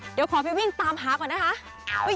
เดี๋ยวขอไปวิ่งตามหาก่อนนะคะ